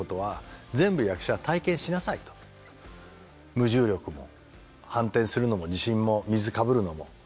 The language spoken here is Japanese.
無重力も反転するのも地震も水かぶるのも。